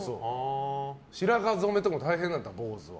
白髪染めとかも大変なんだよ、坊主は。